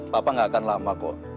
papa nggak akan lama kok